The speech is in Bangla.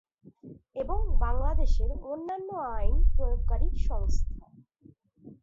এবং বাংলাদেশের অন্যান্য আইন প্রয়োগকারী সংস্থা।